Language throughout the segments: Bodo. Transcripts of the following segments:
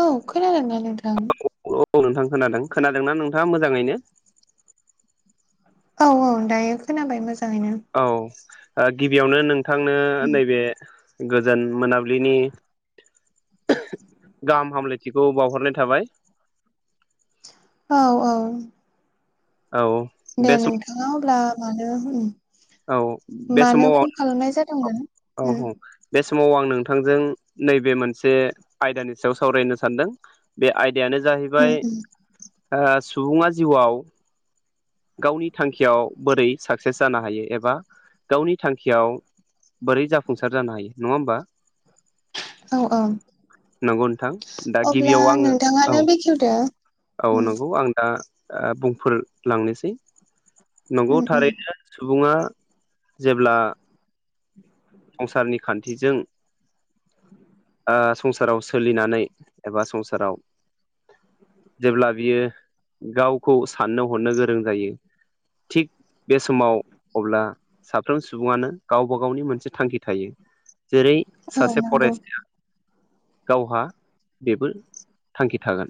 औ खोनादोंना नोंथां हेल' औ नोंथां खोनादों खोनादोंना नोंथाङा मोजाङैनो औ औ दायो खोनाबाय मोजाङैनो औ गिबियावनो नोंथांनो नैबे गोजोन मोनाबिलिनि गाहाम हामलायथिखौ बावहरनाय थाबाय औ औ औ दे बे सम नोंथाङा अब्ला मानो औ बे मानो समाव आं कल खालामनाय जादोंमोन औ औ बे समाव आं नोंथांजों नैबे मोनसे आयदानि सायाव सावरायनो सानदों बे आयदायानो जाहैबाय उम उम सुबुङा जिउआव गावनि थांखियाव बोरै साक्सेस जानो हायो एबा गावनि थांखियाव बोरै जाफुंसार जानो हायो नङा होमबा औ औ नंगौ नोंथां दा अब्ला गिबियाव आङो औ नोंथाङानो बेखेवदो औ उम नंगौ आं दा बुंफोर लांनोसै नंगौ उम उम थारैनो सुबुङा जेब्ला [inaudible] संसारनि खान्थिजों संसाराव सोलिनानै एबा संसाराव जेब्ला बियो गावखौ साननो हरनो गोरों जायो थिग बे समाव अब्ला साफ्रोम सुबुङानो गावबा गावनि मोनसे थांखि थायो जेरै औ सासे नंगौ फरायसाया गावहा बेबो थांखि थागोन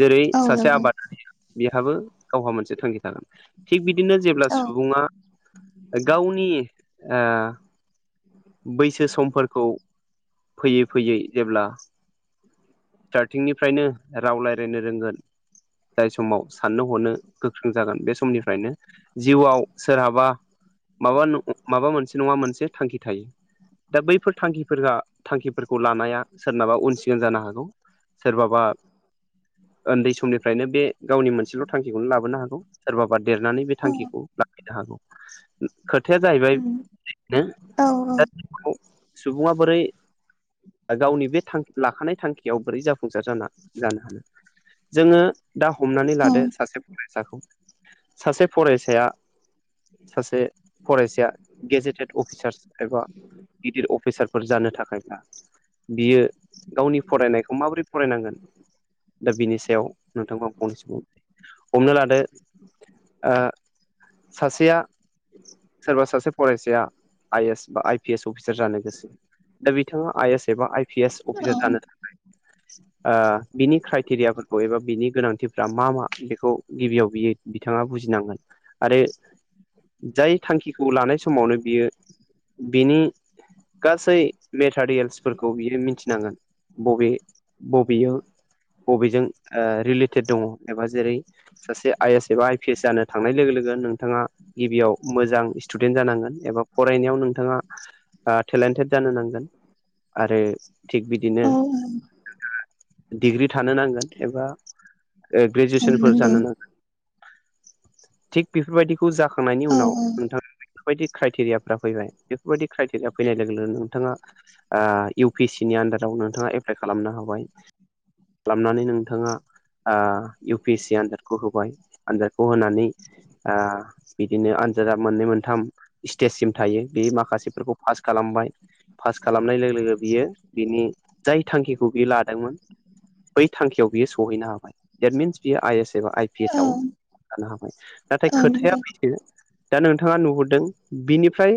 जेरै औ सासे नंगौ आबादारि बिहाबो गावहा मोनसे थांखि थागोन थिग बिदिनो जेब्ला औ सुबुङा गावनि बैसो समफोरखौ फैयै फैयै जेब्ला स्टार्टिंनिफ्रायनो राव राय्लायनो रोंगोन जाय समाव साननो हरनो गोख्रों जागोन बे समनिफ्रायनो जिउआव सोरहाबा माबा माबा मोनसे नङा मोनसे थांखि थायो दा बैफोर थांखि थांखिफोरखौ लानाया सोरनाबा उनसिगां जानो हागौ सोरबाबा उन्दै समनिफ्रायनो बे गावनि मोनसेल' थांखिखौनो लाबोनो हागौ सोरबाबा देरनानै बे औ थांखिखौ लाखिनो हागौ खोथाया उम जाहैबायनो औ औ दा सुबुङा बोरै गावनि बे थांखि लाखानाय थांखियाव बोरै जाफुं जाफुंसार जा जानो हानो जोङो दा हमनानै लादो औ सासे फरायसाखौ सासे फरायसाया सासे फरायसाया गेजेटेड अफिसारस एबा गिदिर अफिसारफोर जानो थाखायब्ला बियो गावनि फरायनायखौ माबोरै फरायनांगोन दा बिनि सायाव नोंथांखौ आं फंनैसम हमना लादो सासेया सोरबा सासे फरायसाया आइ एस बा आइ पि एस अफिसार जानो गोसो दा बिथाङा आइ एस एबा आइ पि एस अफिसार जानो औ थाखाय [inaudible] बिनि क्राइटेरियाफोरखौ एबा बिनि गोनांथिफ्रा मा मा बेखौ गिबियाव बियो बिथाङा बुजिनांगोन आरो जाय थांखिखौ लानाय समावनो बियो बिनि गासै मेटारियेल्सफोरखौ बियो मिथिनांगोन बबे बबेयाव बबेजों रिलेटेड दङ एबा जेरै सासे आइ एस एबा आइ पि एस जानो थांनाय लोगो लोगो नोंथाङा गिबियाव मोजां स्टुडेन्ट जानांगोन एबा फरायनायाव नोंथाङा टेलेन्टेड जानो नांगोन आरो थिग बिदिनो औ डिग्रि थानो नांगोन एबा औ ग्रेजुवेसन फोर नंगौ जानो नांगा थिग बेफोरबायदि बे जाखांनायनि औ उनाव औ नोंथाङा बेफोरबायदि क्राइटेरिया फैबाय बेफोरबायदि क्राइटेरिया फैनाय लोगो लोगोनो नोंथाङा इउ पि एस सि नि आन्दाराव नोंथाङा एप्लाइ खालामनो हाबाय खालामनानै नोंथाङा इउ पि एस सि आनजादखौ होबाय आनजादखौ होनानै बिदिनो आनजादा मोननै मोनथाम स्टेजसिम थायो बे माखासेफोरखौ पास खालामबाय पास खालामनाय लोगो लोगो बियो बिनि जाय थांखिखौ बियो लादोंमोन बै थांखियाव बियो सहैनो हाबाय देट मिन्स बियो आइ एस एबा आइ औ एसाव लानो हाबाय नाथाय औ नंगौ खोथाया दा नोंथाङा नुहुरदों बिनिफ्राय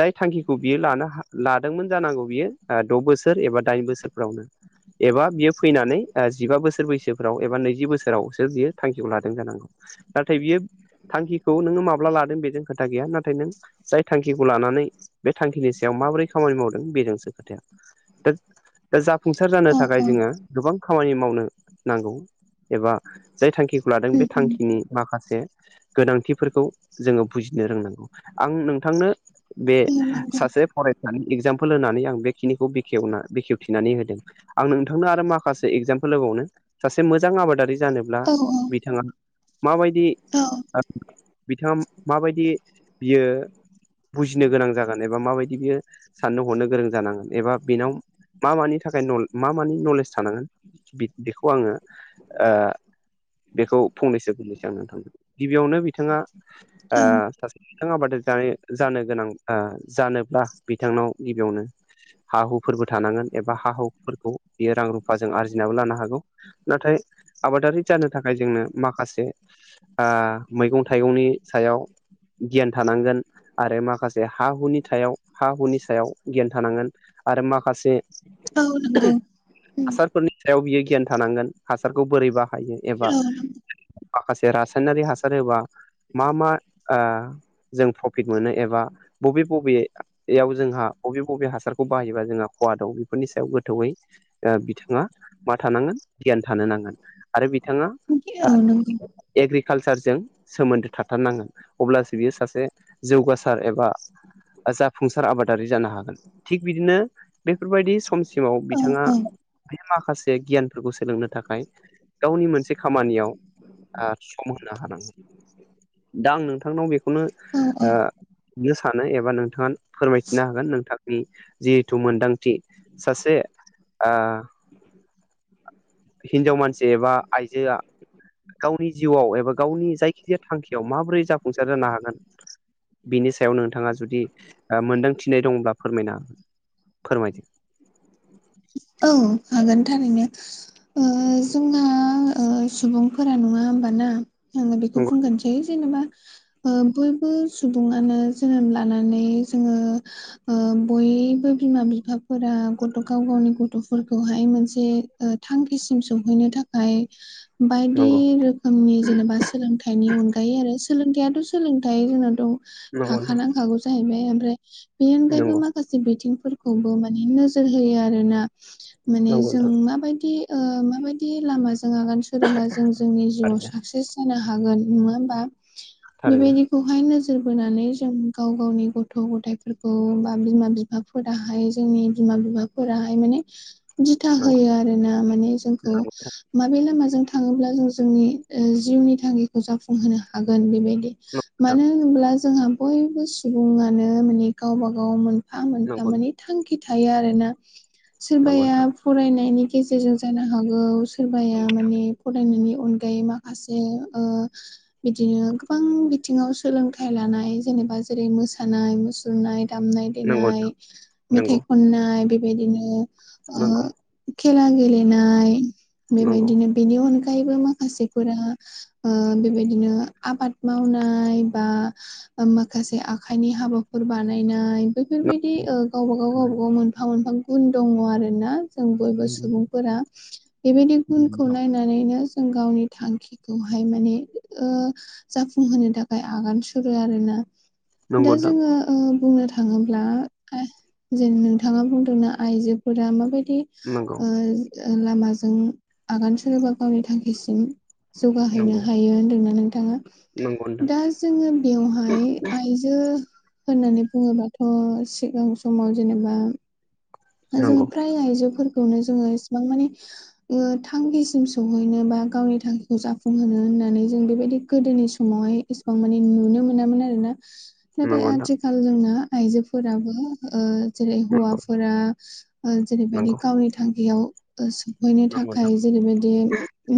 जाय थांखिखौ बियो लानो लादोंमोन जानांगौ बियो द' बोसोर एबा दाइन बोसोरफ्रावनो एबा बियो फैनानै जिबा बोसोर बैसोफ्राव एबा नैजि बोसोरावसो बियो थांखिखौ लादों जानांगौ नाथाय बियो थांखिखौ नोङो माब्ला लादों बेजों खोथा गैया नाथाय नों जाय थांखिखौ लानानै बे थांखिनि सायाव माबोरै खामानि मावदों बेजोंसो खोथाया दा दा जाफुंसार जानो औ थाखाय औ जोङो गोबां खामानि मावनो नांगौ एबा जाय थांखिखौ लादों उम बे उम थांखिनि माखासे गोनांथिफोरखौ जोङो बुजिनो रोंनांगौ आं नोंथांनो बे औ नंगौ सासे फरायसानि एगजामपोल होनानै आं बेखिनिखौ बेखेवना बेखेवथिनानै होदों आं नोंथांनो आरो माखासे एगजामपोल होबावनो सासे मोजां आबादारि जानोब्ला औ बिथाङा माबायदि औ बिथाङा माबायदि बियो बुजिनो गोनां जागोन एबा माबायदि बियो साननो हरनो गोरों जानांगोन एबा बेनाव मा मानि थाखाय न मा मानि नलेज थानांगोन बेखौ आङो बेखौ फंनैसो गोरलैसै आं नोंथांदों गिबियावनो बिथाङा औ सासे बिथां आबाद जानाय जानो गोनां जानोब्ला बिथांनाव गिबियावनो हा हुफोरबो थानांगोन एबा हा हुफोरखौ बियो रां रुफाजों आरजिनाबो लानो हागौ नाथाय आबादारि जानो थाखाय जोंनो माखासे मैगं थाइगंनि सायाव गियान थानांगोन आरो माखासे हा हुनि सायाव हा हुनि सायाव गियान थानांगोन आरो माखासे औ नंगौ उम हासारफोरनि सायाव बियो गियान थानांगोन हासारखौ बोरै बाहायो औ एबा माखासे रासायनारि हासार एबा मा मा जों प्रफिट मोनो एबा बबे बबे बेयाव जोंहा बबे बबे हासारखौ बाहायोबा जोंहा खहा दं बेफोरनि सायाव गोथौयै बिथाङा मा थानांगोन गियान थानो नांगोन आरो बिथाङा नंगौ औ नों एग्रिकालसारजों सोमोन्दो थाथारनांगोन अब्लासो बियो सासे जौगासार एबा जाफुंसार आबादारि जानो हागोन थिग बिदिनो बेफोरबायदि समसिमाव औ बिथाङा औ बे माखासे गियानफोरखौ सोलोंनो थाखाय गावनि मोनसे खामानियाव सम होनो हानांगोन दा आं नोंथांनाव बेखौनो औ औ नो सानो एबा नोंथाङा फोरमायथिनो हागोन नोंथांनि जिहेथु मोनदांथि सासे आ हिनजाव मानसि एबा आइजोआ गावनि जिउआव एबा गावनि जायखिजाया थांखियाव माबोरै जाफुंसार जानो हागोन बिनि सायाव नोंथाङा जुदि मोन्दांथिनाय दंब्ला फोरमायनो हागोन फोरमायदो औ हागोन थारैनो जोंहा सुबुंफोरा नङा होमबाना आङो बेखौ नंगौ बुंग्रोनोसै जेनेबा बयबो सुबुङानो जोनोम लानानै जोङो बयबो बिमा बिफाफोरा गथ' गाव गावनि गथ' गथ'फोरखौहाय मोनसे थांखिसिम सहैनो थाखाय बायदि नंगौ रोखोम नि जेनेबा सोलोंथाइनि अनगायै आरो सोलोंथाइथ' सोलोंथाइ जोंनाव दं नंगौ नोंथां थाखानांखागौ जाहैबाय ओमफ्राय बेनि नंगौ अनगायैबो माखासे से बिथिंफोरखौबो माने नोजोर होयो आरोना माने नंगौ जों नोंथां माबायदि माबायदि लामाजों आगान सुरोबा जों जोंनि जिउआव थारैनो साक्सेस जानो हागोन नङा होमबा थारैनो बेबायदि खौहाय नोजोर बोनानै जों गाव गावनि गथ' गथायफोरखौ बा बिमा बि फा फोराहाय जोंनि बिमा बिफाफोराहाय माने दिथा नंगौ होयो आरो ना माने जोंखौ माबे लामाजों थाङोब्ला जों जोंनि जिउनि थांखिखौ जाफुंहोनो हागोन बेबायदि नोंथां मानो होनोब्ला जोंहा बयबो सुबुङानो माने गावबा गाव मोनफा मोनफा नंगौ माने थांखि थायो आरो ना नंगौ सोरबाया नोंथां फरायनायनि गेजेरजों जानो हागौ सोरबाया माने फरायनायनि अनगायै माखासे बिदिनो गोबां बिथिङाव सोलोंथाइ लानाय जेनेबा जेरै मोसानाय मुसुरनाय दामनाय देनाय नंगौ नंगौ मेथाइ खननाय बेबायदिनो खेला गेलेनाय नंगौ बेबायदिनो बेनि अनगायैबो माखासेफोरा बेबायदिनो आबाद मावनाय बा माखासे आखाइनि हाबाफोर बानायनाय बेफोरबायदि गावबा गाव गावबा गाव मोनफा मोनफा गुन दङ आरो ना जों बयबो सुबुंफोरा बेबायदि गुनखौ नाय नानैनो जों गावनि थांखिखौहाय माने जाफुंहोनो थाखाय आगान सुरो आरोना दा नंगौ नंगौ नोंथां जोङो बुंनो थाङोब्ला जेन नोंथाङा बुंदोंना आइजोफोरा माबायदि नंगौ लामाजों आगान सुरोबा गावनि थांखिसिम जौगाहैनो हायो होन्दोंना नोंथाङा नंगौ नोंथां दा जोङो बेवहाय आइजो होननानै बुङोबाथ' सिगां समाव जेनेबा जोङो नोंथां नंगौ फ्राय आइजोफोरखौनो जोङो इसेबां माने थांखिसिम सहैनो बा गावनि थांखिखौ जाफुंहोनो होननानै जों बेबायदि गोदोनि समावहाय एसेबां मानि नुनो मोनामोन आरोना नाथाय आथिखाल जोंना आइजोफोराबो जेरै हौवाफोरा जेरैबायदि नंगौ गावनि थांखियाव सफैनो नोंथां नंगौ थाखाय जेरैबायदि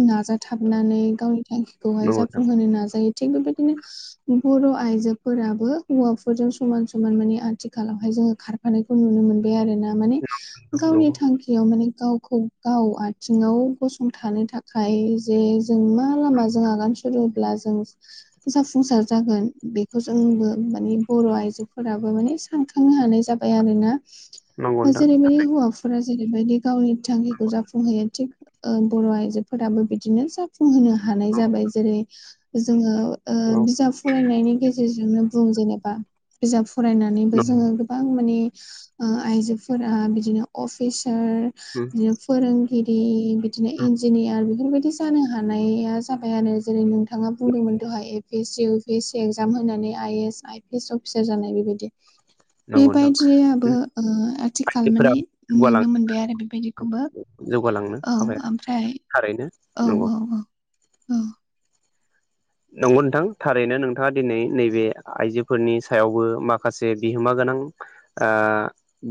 नाजाथाबनानै गावनि थांखिखौहाय नंगौ नोंथां जाफुंहोनो नाजायो थिग बेबायदिनो बर' आइजोफोराबो हौवाफोरजों समान समान माने आथिखालावहाय जोङो खार फानायखौ नुनो मोनबाय आरो ना माने गावनि नंगौ थांखि याव माने गावखौ गाव आथिङाव गसंथानो थाखाय जे जों मा लामाजों आगान सुरोब्ला जों जाफुंसार जागोन बेखौ जोंबो माने बर' आइजोफोराबो माने सानखांनो हानाय जाबाय आरोना नोंथां नंगौ नोंथां जेरैबायदि हौवाफोरा जेरैबायदि गावनि थांखिखौ जाफुंहोयो थिग बर' आइजोफोराबो बिदिनो जाफुंहोनो हानाय जाबाय जेरै जोङो नंगौ औ बिजाब फरायनायनि गेजेरजोंनो बुं जेनेबा बिजाब फरायनानैबो जोङो गोबां माने आइजोफोरा बिदिनो अफिसार बिदिनो फोरोंगिरि बिदिनो इन्जिनियार बेफोरबायदि जानो हानाया जाबाय आरो जेरै नों थाङा बुंदोंमोन दहाय A E P S C U P S C exam होनानै आइस आइ पि एस अफिसार जानाय बेबायदि बेबायदि आबो आइजोफोरा बेबायदिखौबो जौगालांनो हाबाया थारैनो नंगौ औ-औ-औ नंगौ नोंथां थारैनो नोंथाङा दिनै नैबे आइजोफोरनि सायावबो माखासे बिहोमा गोनां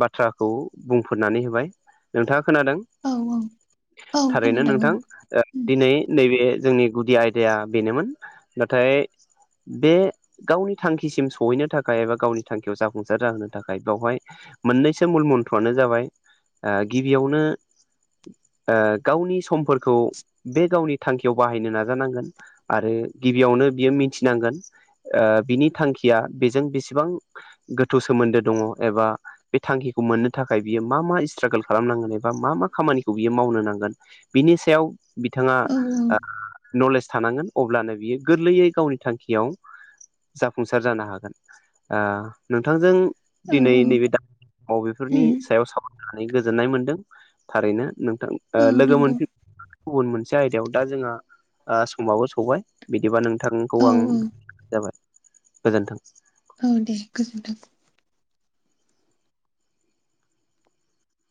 बाथ्राखौ बुंफोरनानै होबाय नोंथाङा खोनादों औ औ औ थारैनो खोनादों औ नोंथां उम दिनै नैबे जोंनि गुदि आयदाया बेनोमोन नाथाय बे गावनि थांखिसिम सहैनो थाखाय एबा गावनि थांखियाव जाफुंसार जाहोनो थाखाय बेवहाय मोननैसो मुल मन्थ्रनो जाबाय गिबियावनो गावनि समफोरखौ बे गावनि थांखियाव बाहायनो नाजानांगोन आरो गिबियावनो बियो मिथिनांगोन बिनि थांखिया बेजों बेसेबां गोथौ सोमोन्दो दङ एबा बे थांखिखौ मोननो थाखाय बियो मा मा स्ट्रागोल खालामनांगोन एबा मा मा खामानिखौ बियो मावनो नांगोन बिनि सायाव बिथाङा औ नलेज थानांगोन अब्लानो बियो गोरलैयै गावनि थांखियाव जाफुंसार जानो हागोन नोंथांजों औ दिनै औ नैबे द अबेफोरनि उम सायाव सावरायनानै गोजोननाय मोनदों थारैनो नोंथां औ लोगो नंगौ मोनफि गुबुन मोनसे आयदायाव दा जोंहा समाबो सौबाय बिदिबा नोंथांखौ औ आं औ जाबाय गोजोन्थों औ दे गोजोन्थों